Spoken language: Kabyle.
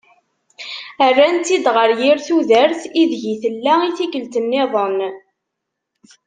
Rran-tt-id ɣer yir tudert i deg i tella i tikelt niḍen.